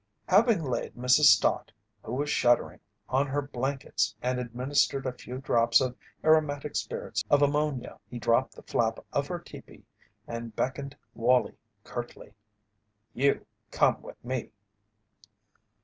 Having laid Mrs. Stott, who was shuddering, on her blankets and administered a few drops of aromatic spirits of ammonia, he dropped the flap of her teepee and beckoned Wallie curtly: "You come with me."